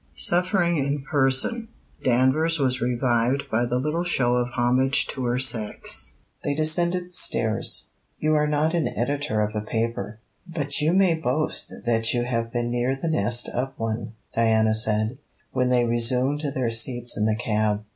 Suffering in person, Danvers was revived by the little show of homage to her sex. They descended the stairs. 'You are not an Editor of a paper, but you may boast that you have been near the nest of one,' Diana said, when they resumed their seats in the cab.